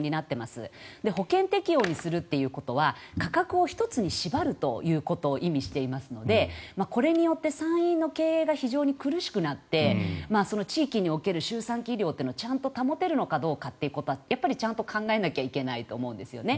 保険適用にするということは価格を１つに縛るということを意味していますのでこれによって産院の経営が非常に苦しくなって地域における周産期医療というのをちゃんと保てるかどうかはやっぱりちゃんと考えないといけないと思うんですね。